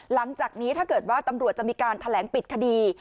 หลังจากนี้ถ้าเกิดว่าตำรวจจะมีการแถลงปิดคดี